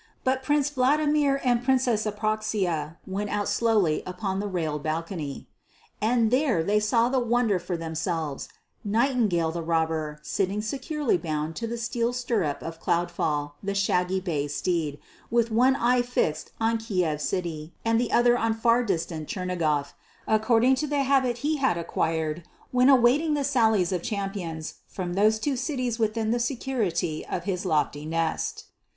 But Prince Vladimir and Princess Apraxia went out slowly upon the railed balcony. And there they saw the wonder for themselves Nightingale the Robber sitting securely bound to the steel stirrup of Cloudfall, the shaggy bay steed, with one eye fixed on Kiev city and the other on far distant Chernigof, according to the habit he had acquired when awaiting the sallies of champions from those two cities within the security of his lofty nest.